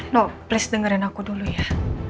no please dengerin aku dulu ya